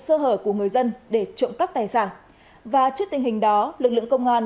sơ hở của người dân để trộm cắp tài sản và trước tình hình đó lực lượng công an